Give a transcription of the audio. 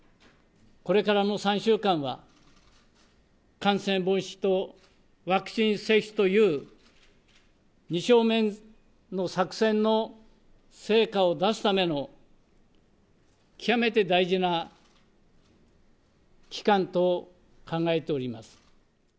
これからの３週間は、感染防止とワクチン接種という二正面の作戦の成果を出すための、極めて大事な期間と考えております。